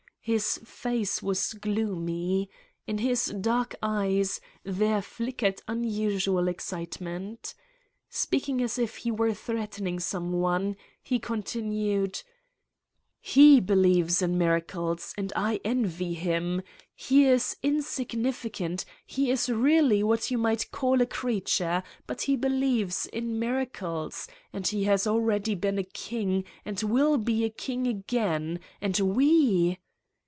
His face was gloomy. In his dark eyes there flickered unusual excitement. Speaking as if he were threatening some one, he continued: 189 Satan's Diary " He believes in miracles and I envy him. He is is insignificant, he is really what you might call a creature, but he believes in miracles. And he has already been a king and will be a king again! And we!